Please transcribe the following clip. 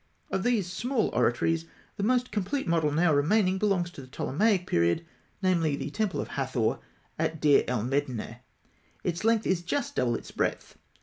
Of these small oratories the most complete model now remaining belongs to the Ptolemaic period; namely, the temple of Hathor at Deir el Medineh (fig. 77). Its length is just double its breadth.